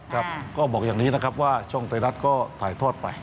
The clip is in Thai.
ครับก็บอกอย่างนี้นะครับว่าช่องไทยรัฐก็ถ่ายทอดไป